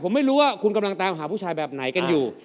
ผมไม่รู้ว่าคุณกำลังตามหาผู้ชายแบบไหนกันอยู่